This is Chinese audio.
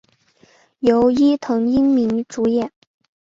由伊藤英明主演。